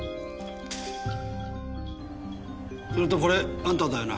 それとこれあんただよな？